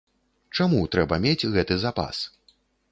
Чаму трэба мець гэты запас?